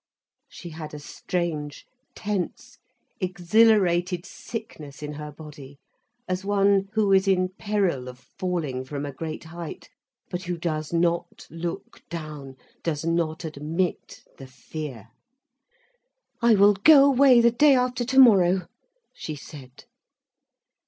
She had a strange, tense, exhilarated sickness in her body, as one who is in peril of falling from a great height, but who does not look down, does not admit the fear. "I will go away the day after tomorrow," she said.